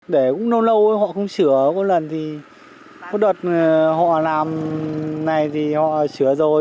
để cũng lâu lâu họ không sửa có lần thì có đợt họ làm này thì họ sửa rồi